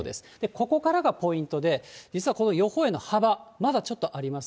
ここからがポイントで、実はこの予報円の幅、まだちょっとあります。